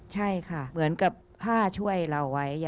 ใช่ค่ะเหมือนกับผ้าช่วยเราไว้